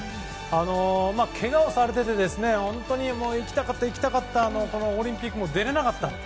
けがをされていて本当に行きたかったオリンピックも出られなかった。